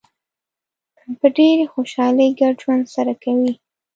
په ډېرې خوشحالۍ ګډ ژوند سره کوي.